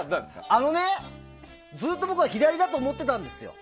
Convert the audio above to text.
あのね、ずっと僕は左だと思ってたんですよ。